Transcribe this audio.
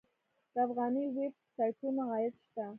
د افغاني ویب سایټونو عاید شته؟